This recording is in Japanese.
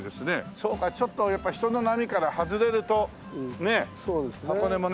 そうかちょっとやっぱ人の波から外れるとね箱根もね